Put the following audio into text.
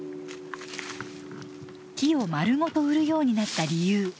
木をまるごと売るようになった理由